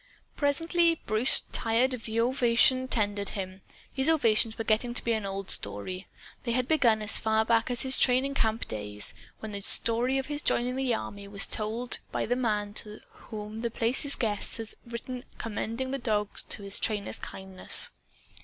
Presently Bruce tired of the ovation tendered him. These ovations were getting to be an old story. They had begun as far back as his training camp days when the story of his joining the army was told by the man to whom The Place's guest had written commending the dog to the trainers' kindness.